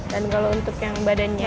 dan kalau untuk yang badannya